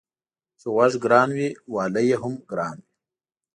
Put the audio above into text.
چي غوږ گران وي والى يې هم گران وي.